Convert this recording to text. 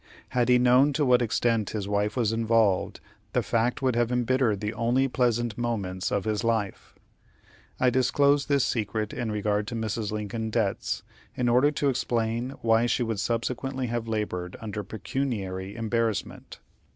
Had he known to what extent his wife was involved, the fact would have embittered the only pleasant moments of his life. I disclose this secret in regard to Mrs. Lincoln's debts, in order to explain why she should subsequently have labored under pecuniary embarrassment.